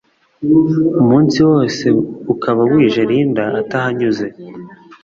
umunsi wose ukaba wije Linda atahanyuze